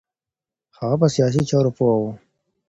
هغه په سیاسی چارو پوه و